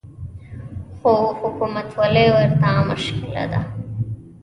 خو حکومتولي ورته مشکله ده